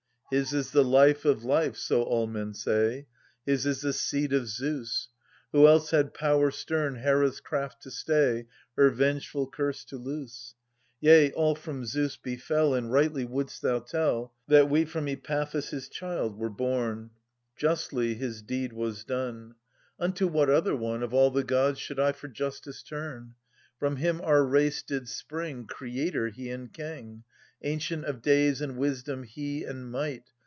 His is the life of life — so all men say, — His is the seed of Zeus. ^ Who else had power stern Herds craft to stay, ^ Her vengeful curse to loose ? Yea, all from Zeus befel And rightly wouldst thou tell That we from Epaphus, his child, were born : M THE SUPPLIANT MAIDENS. Justly his deed was done, Unto what other one, Of all the gods, should I for justice turn ? From him our race did spring ; Creator he and King, Ancient of days and wisdom he, and might.